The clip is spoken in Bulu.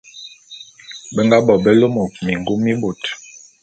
Be nga bo be lômôk mingum mi bôt.